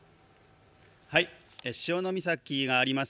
潮岬があります